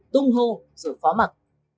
tung hô rồi phó mặc